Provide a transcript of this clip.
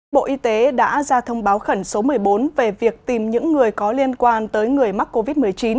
bộ y tế đã ra thông báo khẩn số một mươi bốn về việc tìm những người có liên quan tới người mắc covid một mươi chín